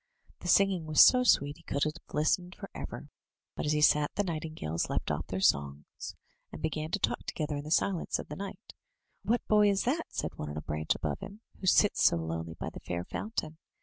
The singing was so sweet he could have listened for ever, but as he sat the night ingales left off their songs, and began to talk together in the silence of the night: "What boy is that," said one on a branch above him, "who sits so lonely by the Fair Fountain?